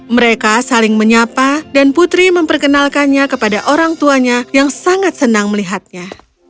mereka saling menyapa dan putri memperkenalkannya kepada orang tuanya yang sangat senang melihatnya